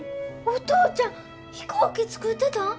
お父ちゃん飛行機作ってたん！？